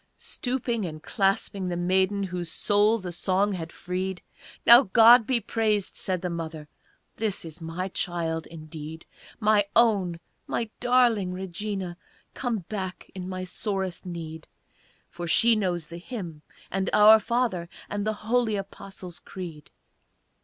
Stooping and clasping the maiden Whose soul the song had freed, "Now God be praised!" said the mother, "This is my child indeed! My own, my darling Regina, Come back in my sorest need, For she knows the Hymn, and 'Our Father,' And the holy 'Apostles' Creed'!"